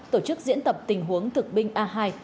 tổ chức diễn tập tình huống thực binh a hai